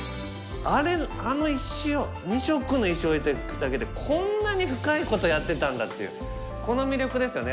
あれあの石を２色の石を置いていくだけでこんなに深いことやってたんだっていうこの魅力ですよね。